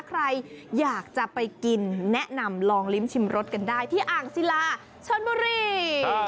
ใครอยากจะไปกินแนะนำลองลิ้มชิมรสกันได้ที่อ่างศิลาชนบุรี